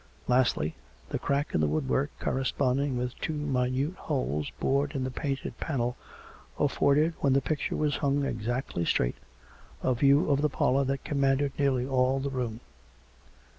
Lastly, the crack in the woodwork, corresponding with two minute holes bored in the painted panel, afforded, when the picture was hung exactly straight, a view of the parlour that commanded nearly all the room.